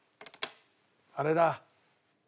あれだ。